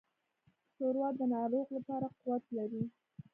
ښوروا د ناروغ لپاره قوت لري.